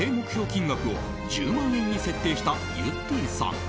金額を１０万円に設定したゆってぃさん。